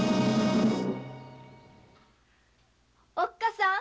おっ母さん